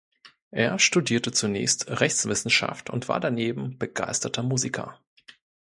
Er studierte zunächst Rechtswissenschaft und war daneben begeisterter Musiker.